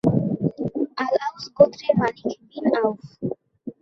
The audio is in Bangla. আল-আউস গোত্রের মালিক বিন আউফ।